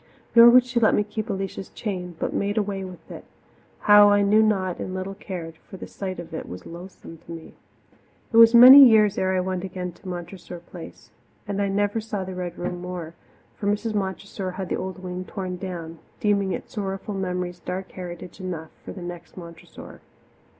Nor would she let me keep Alicia's chain, but made away with it, how I knew not and little cared, for the sight of it was loathsome to me. It was many years ere I went again to Montressor Place, and I never saw the Red Room more, for Mrs. Montressor had the old wing torn down, deeming its sorrowful memories dark heritage enough for the next Montressor.